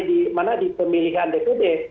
di mana di pemilihan dpd